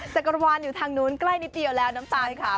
จักรวาลอยู่ทางนู้นใกล้นิดเดียวแล้วน้ำตาลขาว